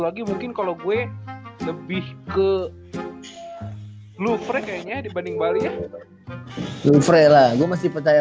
lagi mungkin kalau gue lebih ke lu fre kayaknya dibanding balia lu fre lah gue masih percaya